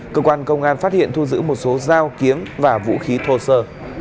cơ quan công an phát hiện thu giữ một số dao kiếm và vũ khí thô sơ